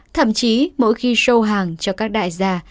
thậm chí mỗi khi show hàng cho các đại gia